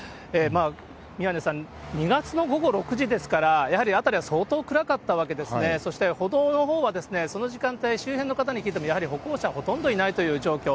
宮根さん、２月の午後６時ですから、やはり辺りは相当暗かったわけですね、そして歩道のほうは、その時間帯、周辺の方に聞いても、やはり歩行者ほとんどいないという状況。